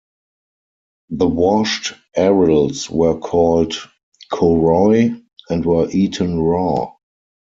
The washed arils were called "koroi" and were eaten raw.